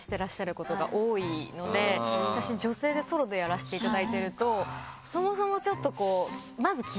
私女性でソロでやらせていただいてるとそもそもちょっとこうまず気合が必要。